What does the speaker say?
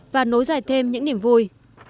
và nối dài thêm những niềm vui